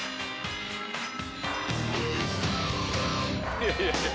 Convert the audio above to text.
いやいやいや